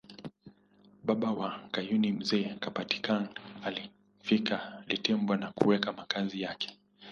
Baba wa Kayuni Mzee Kapitingana alifika Litembo na kuweka makazi yake